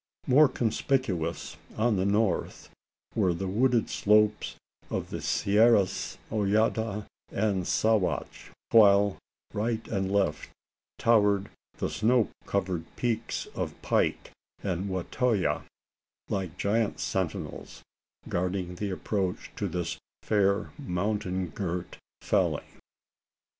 More conspicuous, on the north, were the wooded slopes of the Sierras Mojada and Sawatch; while, right and left, towered the snow covered peaks of Pike and the Watoyah like giant sentinels guarding the approach to this fair mountain girt valley.